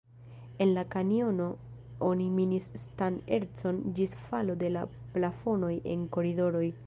En la kanjono oni minis stan-ercon ĝis falo de la plafonoj en koridoroj.